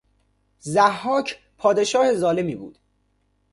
ضحاک پادشاه ظالمی بود